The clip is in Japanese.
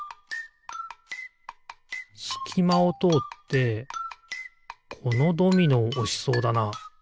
すきまをとおってこのドミノをおしそうだな。